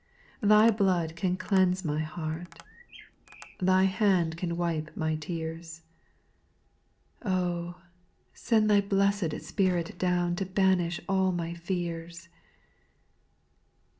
5. Thy blood can cleanse my heart, Thy hand can wipe my tears ; Oh ! send Thy blessed Spirit down To banish all my fears.